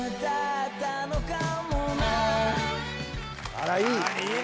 あらいい！